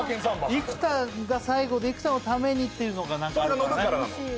生田が最後で生田のためにっていうのがあるからね。